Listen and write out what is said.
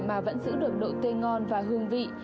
mà vẫn giữ được độ tươi ngon và hương vị